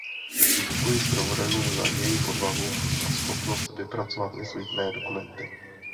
Děkuji zpravodajům za jejich odvahu a schopnost vypracovat nezbytné dokumenty.